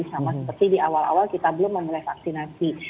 sama seperti di awal awal kita belum memulai vaksinasi